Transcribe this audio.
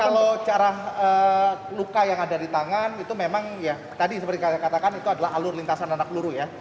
jadi kalau cara luka yang ada di tangan itu memang ya tadi seperti katakan itu adalah alur lintasan anak luru ya